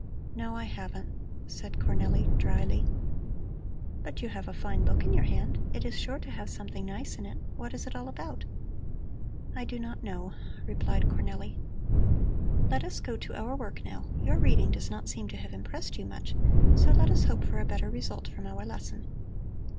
"No, I haven't," said Cornelli drily. "But you have a fine book in your hand. It is sure to have something nice in it. What is it all about?" "I do not know," replied Cornelli. "Let us go to our work now. Your reading does not seem to have impressed you much, so let us hope for a better result from our lesson."